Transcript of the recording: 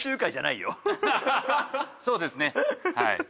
そうですねはい。